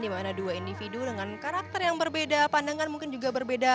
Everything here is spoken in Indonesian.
dimana dua individu dengan karakter yang berbeda pandangan mungkin juga berbeda